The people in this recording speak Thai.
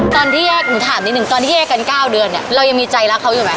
ตอนที่แอ้งกัน๙เดือนเรายังมีใจรักเขาอยู่ไหม